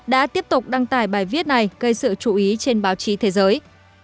đã tiếp tục đăng tải bài viết này gây sự chú ý trên báo chí thế giới